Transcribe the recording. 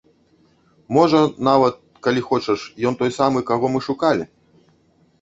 Можа, нават, калі хочаш, ён той самы, каго мы шукалі?